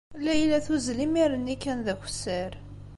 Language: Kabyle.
Layla tuzzel imir-nni kan d akessar.